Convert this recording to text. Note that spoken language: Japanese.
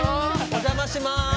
お邪魔します！